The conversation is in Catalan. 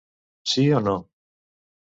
Sí o no?.